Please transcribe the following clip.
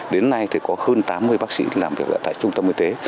đến nay có hơn tám mươi bác sĩ làm việc ở tại trung tâm y tế